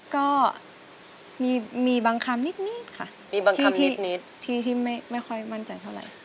ก็มีบางคำนิดค่ะมีบางคำนิดที่ไม่ค่อยมั่นใจเท่าไหร่